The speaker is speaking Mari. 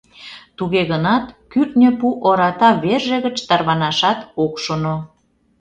Туге гынат кӱртньӧ-пу ората верже гыч тарванашат ок шоно.